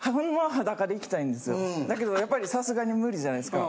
だけどやっぱりさすがに無理じゃないですか。